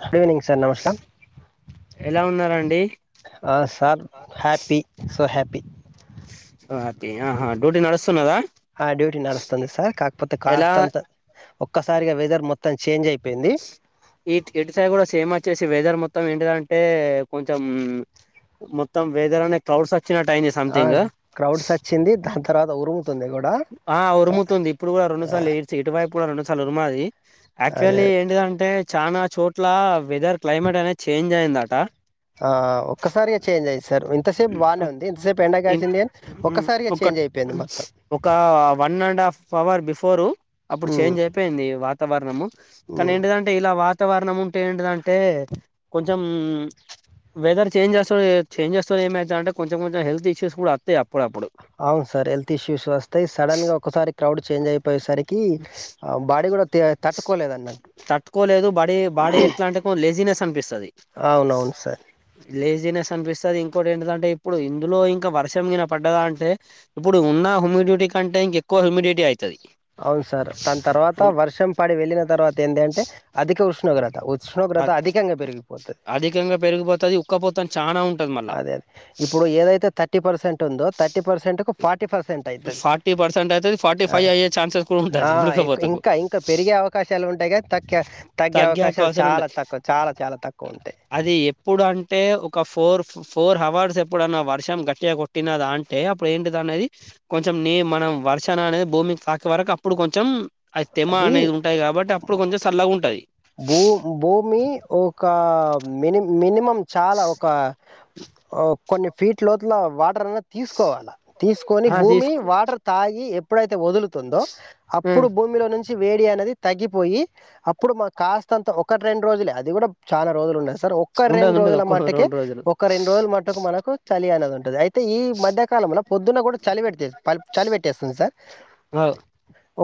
Good evening sir నమస్కాం, ఆ sir happy so happy, ఆహా డ్యూటీ నడుస్తున్నదా ఆ డ్యూటీ నడస్తంది సార్ కాకపోతే కాస్త అంత ఒక్కసారిగా వెదర్ మొత్తం చేంజ్ అయి ఇ ఇటు స కూడా సేమ్ వచ్చే వెదర్ మొత్తం ఏంటే కొంచె మొత్త వెదర్ అ కడ్ వచ్చ టై సంథింగ్ ఆ ఉరుముతుంది ఇప్పుడు కూడా రెండుసార్లు ఇటువైపు పురాన్న చాలరు మారిది అక్చులీ అంటే చాలనా చోట్ల వెదర్ క్లైమేట్ అనేది చేంజ్ అయిందట ఒక ఒక one and half hour before అప్పుడు చేంజ్ అయిపోయింది వాతావరణము కానీ ఏంటిదంటే ఇలా వా చిత్తవరణం ఉంటే ఏంటదంటే కొంచెం వెదర్ చేంజ్ చేస్త చేం్ చేస్త ఏమవుతుందింటే కొంచెం కొంచెం హెల్త్ ఇష్యూస్ కూడా వస్తాయి అవును సార్ హెల్త్ ఇష్యూస్ వస్తాయి సడన్ గా ఒకసారి క్రౌడ్ చేంజ్ అయిపోయసరి బడి కూడాడ తట్టుకోలేదు బాడీ బాడీ ఎట్లా అంట లేజినెస్ సంగస్ సది లేజీినెస్ అనిపిస్తుంది ఇంకోటి ఏంటదంటే ఇప్పుడు ఇందులో ఇంకా వర్షం గన పడ్డదా అంటే ఇప్పుడు ఉన్న హ్యూడిటీ కంటే ఇంక ఎక్కువ హ్యూమిడిటీ అవుంది అవును సార్ దాని తర్వాత వర్షం పాడి వెళ్ళిన తర్వాత ఏంట అంటే అధిక ఉష్ణోగ్రత ఉష్ణోగ్రత అధికంగా పెరిగిపోతుంది అన అదే అదే ఇప్పుడు ఏదైతే థర్టీ పర్సెంట్ ఉోథర్టీ పర్సెంట్ కు ఫార్టీ పర్సెంట్ అయితుది ఫార్టీ ఫైవ్ అయ్యే ఛాన్సెస్ కూడా ఉంటది ఉడికపోతకు తగ్ తగ్గే అవకాశాలు చాలా తక్కువ చాలా చాలా తక్కువ ఉంటాయి అంటే ఒక ఫోర్ ఫోర్ అవర్స్ ఎప్పుడన్నా వర్షం గట్టిగా కొట్టినద అంటే అప్పుడు ఏంటిది అనేది కొంచెం నీ మనం వర్షం అనేది భూమికి తాకే వరకు అప్పుడు కొంచెం అది తెమా అనేది ఉంటాయి కాబట్టి అల్లాగా ఉంటాయి భూ భూమి ఒక మ మనిమమ్ చాలా ఒక కొన్ని ఫీట్ లోతుల వాటర్ అనే తీసుకోవాలా తీసుకొని భూమి వాటర్ తాగి వదులుతుందో అప్పుడు భూమిలో నుంచి వేడి అనేది తగ్గిపోయి అప్పుడు మాకు కాస్తంత ఒకటి రెండు రోజులే అది ఇది కూడా చాలా రోజులు ఉన్నాది సర్ ఒక్క రెండు రోజుల మటుకి ఒక రెండు రోజుల మట్టుకు మనకు చలి అనేది ఉంటుంది అతే అయితే ఈ మధ్యకాలంలో పొద్దున్న కూడా చలి పెట్ట చలి పెట్టేస్తుంది సార్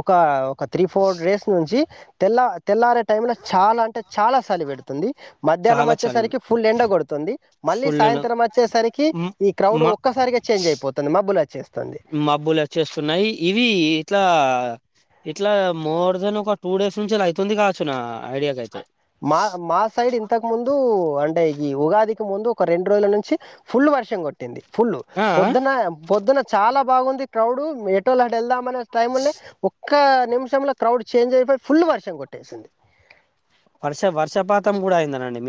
ఒక ఒక త్రీ ఫోర్ డేస్ నుంచి తెల్లా తెల్లారే టైమ్ లో చాలా అంటే చాలా సలి పెడుతుంది మధ్యాహ్నం వచ్చేసరికి ఫుల్ ఎండ కొడుతుంది మళ్ళీ సాయంత్రం వచ్చేసరికి ఈ క్రౌడ్ ఒక్కసారిగా చేంజ్ అయిపోతుంది మబ్బులు వచ్చ మబ్బులు వచ్చేస్తున్నాయి ఇవి ఇట్లా ఇట్లా మోర్ దెన్ ఒక టూ డేస్ నుంచిలా అవుతుంది కావచ్చునా మా మా సైడ్ ఇంతకు ముందు అంటే ఈ ఉగాదికి ముందు ఒక రెండు రోజుల నుంచి ఫుల్ వర్షం కొట్టింది ఫుల్లు పొద్దున పొద్దున చాలా బాగుంది క్రౌడ్ ఎటోలు అటు వెల్దా మనె టైమ్ల్ ఒక్క ఒక్క నిమిషంలో క్రౌడ్ చేంజ్ అయిపోయి ఫుల్ వర్షం కొట్టేసింది వర్ష వర్షపాతం కూడా అయిందనండి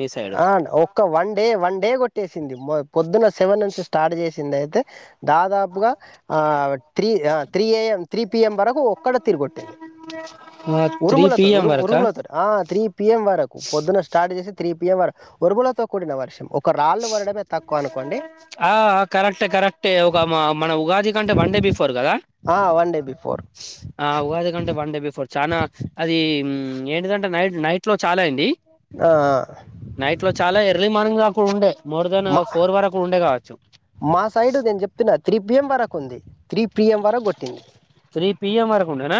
ఆ ఒక్క వన్ డే వన్ టే కొట్టేసింది మ పొద్దున్న సెవన్ నుంచి స్టార్ట్ చేసి దయితే దాదాపుగా ఆ త్రీ ఆ త్రీ ఏఎం త్రీ పిఎం వరకు ఒక్కడ తీరు కొట్టింది ఉరుములతో ఉరు ఉరుములతోటి ఆ త్రీ పిఎం వరకు పొద్దున స్టార్ట్ చేసి త్రీ పిఎంవర్కు ఉరుములతో కూడినర్షం ఆ కరెక్ట్ కరెక్టే ఒక మన ఉగాది కంటే వన్ డే బిఫోర్ కదా అ ఉగాది కంటే వన్ డే బిఫోర్ చానా అది ఏంటదంటే నైట్ నైట్ లో చాలా అండి నైట్ లో చాలా ఎర్లీ మార్నింగ్ ఉండే మోర్ దాన్ ఫోర్ వరకు ఉండే కావచ్చు పి యం వరకు ఉంది త్రీ పి యం వరకు కొట్టింది త్రీ పి ఎం వరక్ ఉన్నార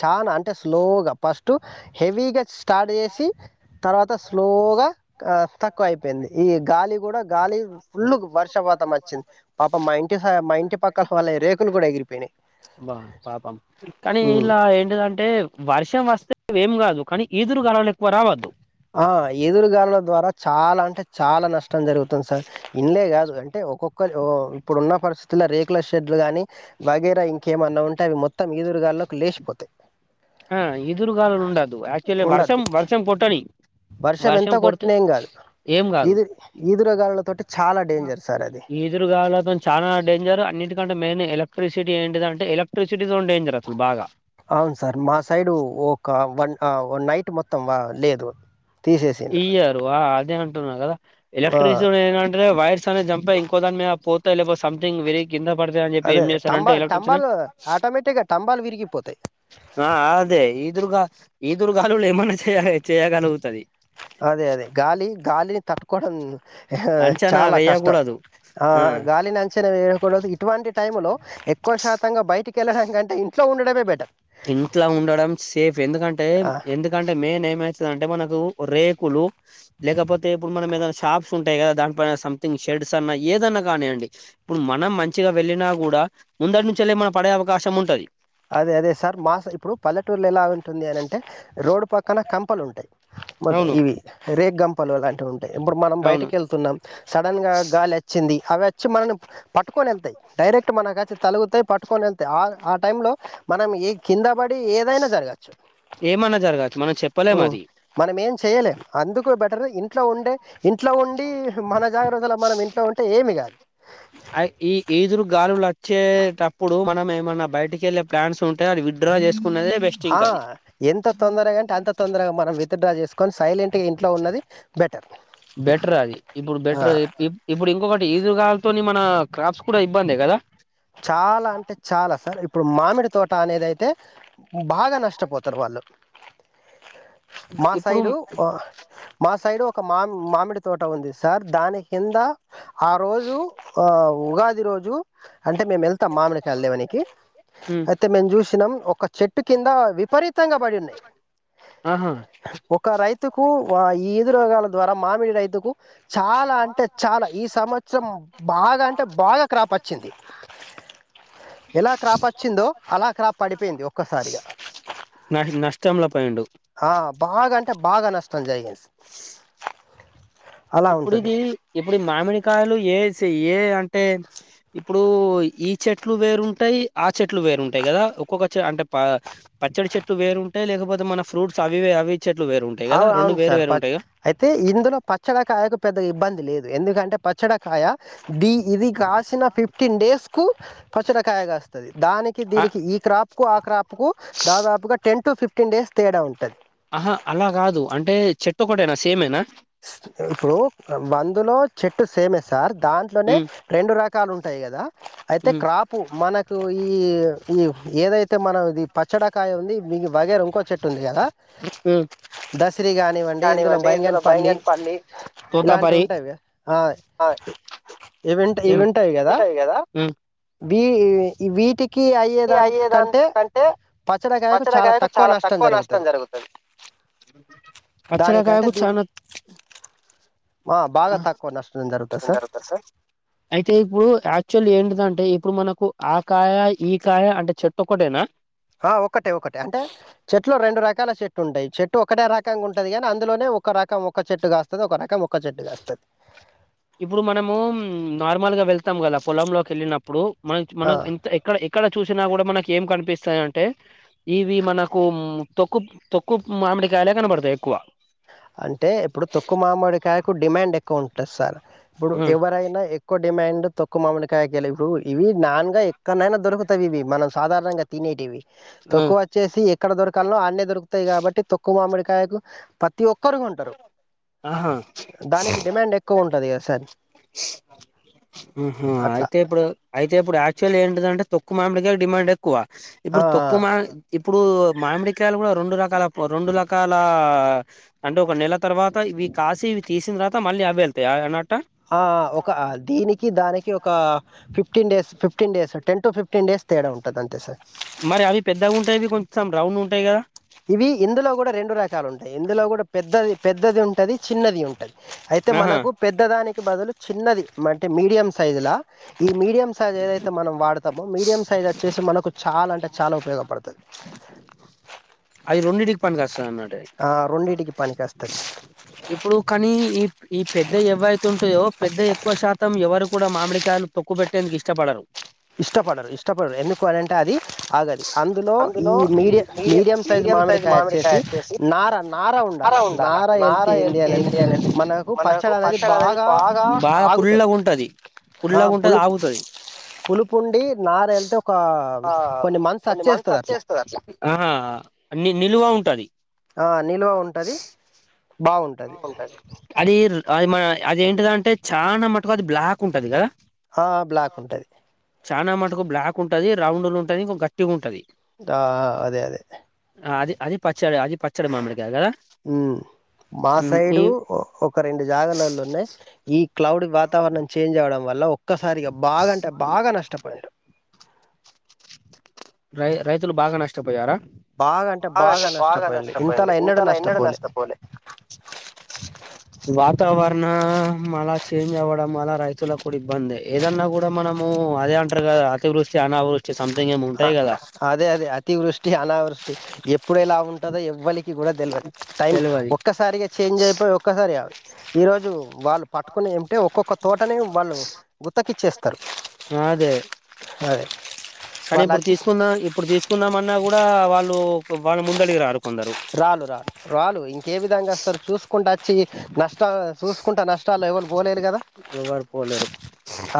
చాన, అంటే స్లోగా ఫస్టు హెవీగా స్టార్ట్ చేసి తర్వాత స్లోగా అ తక్కువ అయిపోయింది, ఈ గాలి కూడా గాలి ఫుల్లు వర్ ర్షపాతం వచ్చింది, పాపం మా ఇంటి సా మా ఇంటి పక్కల వాళ్లయి రేకులు కూడా ఎగిరిపోయినాయి ఇట్లా ఏంటిదంటే వర్షం వస్ ఏం కాదు కానీ ఈదురు గాలులు ఎక్కువ రావద్దు ఆ ఎదురుగాళ్ల ద్వారా చాలా అంటే చాలా నష్ ష్టం జరుగుతుంది సార్, ఇన్లే కాదు అంటే ఒక్కొక్క ఇప్పుడు ఉన్న పరిస్థితుల్లో రేకుల షెడ్లు గానీ వగైర ఇంకేమన్నా ఉంటే అవి మొత్తం ఈదురుగాల్లకి లేచిపోతాయి ఆ ఈదురుగాలులు ఉండద్దు, యాక్చువల్గా వర్షం వర్షం కొట్టని వర్షం ఎంత కొట్టిన ఏం గాదు ఈది ఈదుర గా తోటి ఈదురుగాలులతోని చాలా డేంజర్ అన్నిటికంటే మెయిన్ ఎలక్ ట్రిసిటీ ఎంటిదంటే ఎలక్ట్రి అవును సార్ మా సైడు ఒక వన్ ఆ నైట్ మొత్తం వా లేదు ఇయ్యారు అదే అం న్నాగదా ఎలక్ట్రసినేనంటే వైర్స్ అనే జంప ఇంకోదానిమీన పో లేపో సంథింగ్ వెరీ కింద పడతయని చెప్పి ఏం చేస్తారంటే ఎలక్ట్రిక్స్ని ఆ అదే ఈదురుగా ఈదురుగాలులు ఏమన్నా చేయాలి చేయగలుగుతది అదే అదే గాలి గాలిని తట్టుకోడం చాలా కష్టం ఆ గాలినంచనా వేయకూడదు ఇటువంటి టైమ్ లో ఎక్కువ శాతంగా బయటికి వెళ్ళడంకంటే ఇంట్లో ఉండడమే బెటర్ ఇంట్లో ఉండడం సేఫ్ ఎందుకంటే ఎందుకంటే మేన్ ఏమై అంటే మనకు రేకులు లేకపోతే ఇప్పుడు మనం ఏదైనా షాప్స్ ఉంటాయి కదా దానిపై సంథింగ్ షెడ్స్ అన్నా ఏదన్నా కానీయండి, ఇప్పుడు మనం మంచిగా వెళ్ళిన కూడా ముందటి నుంచేలి ఎమైన పడే అవకాశం ఉంటది అదే అదే సార్ మా స్ ఇప్పుడు పల్లెటూరులో ఎలా ఉంటుంది అని అంటే, రోడ్ పక్కన కంపలు ఉంటాయి మట్ ఇవి రేగంప్ పను లాంటివిమ్ ఇప్పుడు మనం బయటకి వెళ్తున్నాం సడన్ గా గాలి ఆచ్చింది అవి ఆచ్చి మనని ప పట్కొని వెళ్తాయి డైరెక్ట్ మనకచ్చ తలుగుతాయి పట్టుకని వెళ్తాయి ఆ టైమ్ లో మనం ఈ కింద పడ్ ఏమన్న జరగచ్ మనం చెప్పలేము అది చేయలే అందుకు బెటర్ ఇంట్లో ఉండే ఇంట్లో ఉం మన జాగ్రత్తల మనం ఇంట్లో ఉంటే ఏమిగాద్ అ ఈ ఎదురు గాలులు వచ్చేటప్పుడు మనం ఏమన్న బయటికి వెళ్ళే ప్లాన్స్ ఉంటే అది విత్డ్రా చేస్ ఆ ఎంత తొందరగ అంటే అంత తొందరగ మనం విత్ డ్రా చేసుకొని సైలెంట్ గా ఇంట్లో ఉన్నది బట్ బెట్రర అది ఇప్పుడు బెట్రరది ఇ ఇబ్ ఇప్పుడు ఇంకొకటి ఈదురుగాలతోని మనాక్ క్రాప్స్ కూడా ఇబ్బంది కదా చాల అంటే చాల సర్ ఇప్పుడు ఇప్పుడు మామిడి తోట అనేది అయితే బాగ నష్టపోతరు వాళ్ళు మా సైడు ఆ మా సైడ్ ఒక మామ్ మామిడి తోట ఉంది. సార్ దాని కింద ఆ రోజు ఆవ్ ఉ ఉగాది రోజు అంటే మేము వెళ్తాం మామిడికాయలు దేవనికి అయితే మేము చూసినాం ఒక చెట్టు కింద విపరీ తంగా బడింది. హ్ ఒక రైత్ తుకు వా ఇ ఈదురుగాల్ల ద్వారా మామిడి రైతుకు చాలా అంటే చాలా ఈ సంవత్సరం బాగా అంటే బాగా క్రాప్ ప ఎలా క్రాప్ వచ్చిందో అలా క్రాప్ పడిపోయింది. ఒక్కోసారిగా పోయిండు ఆ బాగా అంటే బాగా నష్టం జరిగింది. స్ ఇప్పుడు ఇది ఇప్పుడే మామిడి కాయలు ఏ స్ సి ఏ అంటే ఇప్పుడు ఇ ఈ చెట్లు వేరుంటాయి. ఆ చెట్లు వేరుంటాయ్, కదా ఒక్కొక్క చె అంటే పా పచ్చడి చెట్లు వేరుంటాయి. లేకపోతే మన ఫ్రూట్స్ అవివే అవి అవ్ అవును సార్ ప్పత్ అయితే ఇందులో ప్ప పచ్చడికాయకు పెద్ద ఇబ్బంది లేదు ఎందుకంటే పచ్చడికాయ డి ఇది కాసిన ఫిఫ్టీన్ డేస్కు పచ్చరకాయ్గ గాస్తది దానికి దీనికి ఈ క్రాప్కు ఆ క్రాప్కు దాదాపుగా టెన్ టు ఫిఫ్ ఫీవ్టీన్ డేస్ తేడా ఉంటాది ఆహా అలా కాదు అంటే చెట్టు ఒక్కటేనా సేమేనా ఇప్పుడు బందులో చెట్టు సేమే సార్ దాంట్లోనే రెండు రకాలు ఉంటాయి కదా, అయితే క్రాపు మనకు ఈ ఈ ఏదైతే మనం ఇది పచ్చడికాయ ఉంది మీకు వగర ఇంకో చెట్ ఉంటుంది కదా దసరి కానివ్వండి ఇందులో బయంగరపల్లి తూపాపరిదా వీ ఈ వీటి అయ్యేదాకంటే పచ్చడికాయకు చాలా తక్కువ నష్టం జరుగుతుంది పచ్చడికాయకు చ ఆ బాగా తక్కువ నష్ట దర రుగుతారు సార్ అయితే ఇప్పుడు యాక్చువల్ ఏంటిదంటే ఇప్పుడు మనకు ఆ కాయ ఈ కాయ అంటే చెట్టు ఒకక్కటైనా ఆ ఒక్కటే ఒకటే అంటే చెట్లు రెండు రాక రకాల చెట్టు ఉంటాయి చెట్టు ఒకటే రకంగా ఉంటది కాని అందులోనే ఒక రకం ఒక చెట్టు కాస్తుంది ఒక రకం ఒక్క చెట్టుగా వస్తుంది ఇప్పుడు మనము నార్మల్ గా వెళ్తాం కదా పొలంలోకి వెళ్ళినప్పుడు ఇప్పుడు మనం మనం ఇంత ఎక్కడ ఇక్కడ చూసినా కూడా మనకి ఏం కనిపిస్తాయి అంటే ఇవి మనకు తొక్కు తొక్కు మామిడికాయలే కనబడతాయి ఎక్కువ అంటే ఇప్పుడు తొక్కు మామిడికాయకు డిమాండ్ ఎక్కువ ఉంటుంది సార్ ఇప్పుడు ఎవరైనా ఎక్కువ డిమండ్ తొక్కు మామడికాయకలు ఇ ఇవి నా గా ఎక్కడనైనా దొరుకుతావు ఇవి మనం సాధారణంగా తినేటివి తొక్కు వచ్చేసి ఎక్కడ దొరకలో అనే దొకుతాయి కాబట్టి తొక్కు మామిమడికి కు ప ప్రతి ఒక్కరు కోటారు దానికి డిమాండ్ ఎక్కువ ఉంటుది కదా సన్ ఊహు అయితే ఇప్పుడు అయితే ఇప్పుడు ఆ ల్ ఏంటిందటే తక్కు మామిడికాయ డింమడ్ కు ఇప్పుడు తక్కు మా ఇ ఇప్పుడు మామిడికాయలు కూడా రెండు రకాల రెండు రకాల అంటే ఒక నెల తర్వాత ఇవి కాసి ఇవి తీసిన తర్వాత మళ్ళీ అవి వెళ్తాయి అన్నట్ట ఆ ఒక దీనికి దానికి ఒక ఫిఫ్ fifteen days fifteen days ten to fifteen days తేడ ఉంటంది అంతే సార్ మరి అవి పెద్దగా ఉంటాయి కొంచెం రౌండ్ ఉంటాయి కదా ఇవి ఇందులో కూడా రెండు రకాలు ఉంటాయి ఇందులో కూడా పెద్దది పెద్దది ఉంటది చిన్నది ఉంటది అయితే మనకు పెద్దదానికి బదులు చిన్నది అంటే మీడియం సైజు ల ఈ మీడియం సైజ్ ఏదైతే మనం వాడతామో మీడియం సైజ్ వచ్చే మనకు చాల అంటే చాలా ఉయోగపడుతది అది రెండింటికి పనికి వస్తది అన్నటు ఇప్పుడు కానీ ఈ ఈ పెద్ద ఎవ్వైతే ఉంటాయో పెద్దయీ ఎక్కువ శాతం ఎవరు కూడా మామిడికాయలు తొక్కు పెట్టేందుకు ఇష్టపడరు ఇష్టపడరు ఇష్టపడరు ఎందుకో అది అంటే అది ఆగదు అందులో అందులో ఈ మీడియం మీడియం సైజు మామిడికాయ వచ్చేసి నారా నారా ఉండాల నారా ఎళ్తే ఏంది అని మనకు పచ్చడ అనేది బాగా ఉప్పు ఉండి నార వెళ్తే ఒక కొన్ని మంత్ వచ్చేస్తది వచ్చేస్తది అట్లా ఆహా అన్ని నిలువ ఉంటది ఆ నిల్వ ఉంటది బాగుంటది ఉంటది అది అది మన అది ఏంటిదంటే చాలా మటుకు అది బ్లాక్ ఉంటది కదా ఆ బ్లాక్ ఉంటది చాలా మటుకు బ్లాక్ ఉంటది రౌండ్లు ఉంటుది ఇ గట్టిగా ఉంటది ఆ అదే అదే అది ప పచ్చడి అది పచ్చడి మమిడికాయ కాదా సైడు ఒక రెండు జాగాలలో ఉన్నాయి ఈ ఈ క్లౌడ్ వాతావరణం చేంజ్ అవ్వడం వల్ల ఒక్కసారిగా బాగా అంటే బాగా నష్టపోయాడు రై రైతులు బాగా నష్టపోయారా బాగా అంటే బాగా నష్టపోయింది ఇంత నా ఎన్నెడు నష్టపోలే వాతావరణం అలా చేంజ్ అవ్వడం అలా రైతులకు కూడా ఇబ్బంది ఏదన్నా కూడా మనము అదే అంటారు కదా అతివృష్టి అనావృష్టి సంథింగ్ ఏమో అదే అదే అతివృష్టి అనావృష్టి ఎప్పుడూ ఎలా ఉంటుందో ఎవ్వలికి కూడా తెలియదు టైం ఒక్కసారిగా చేంజ్ అయిపోయి ఒక్కసారి ఆవ ఈరోజు వాళ్ళు పట్టుకొని ఏమింటే ఒక్కొక్క తోటనే వాళ్ళు ఉతకిచ్చేస్తారు తారు అ కానీ ఇప్పుడు తీసుకుందాం ఇప్పుడు తీసుకుందాం అన్నా కూడా వాళ్ళు వాళ్ళ ముందలకి రారు రాలు రా రాళ ఇంకే విధంగా వస్తారు చూసుకుంటా వచ్చి నష్ట చూసుకుంటే నష్టాల్లో ఎవరు పోలేరు కదా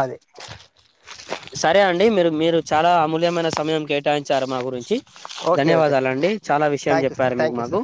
అది సరే అండి మీరు మీరు చాలా అమూయ మైన సమయం కేటాయించారు మా గురించి ధన్యవాదాలండి చాలా విషయం చెప్పారు మీకు మాకు